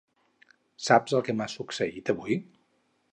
Saps el que m'ha succeït avui?